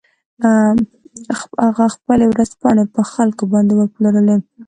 هغه خپلې ورځپاڼې په خلکو باندې وپلورلې.